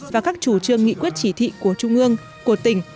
và các chủ trương nghị quyết chỉ thị của trung ương của tỉnh